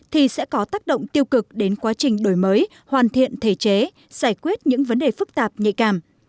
thì sẽ có tác động tiêu cực đến quá trình đổi mới hoàn thiện thể chế giải quyết những vấn đề phức tạp nhạy cảm